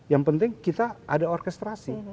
yang penting kita ada orkestrasi